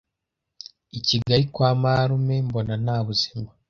i kigali kwa marume mbona nta buzima